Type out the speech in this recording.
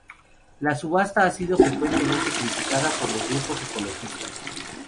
La subasta ha sido fuertemente criticada por los grupos ecologistas.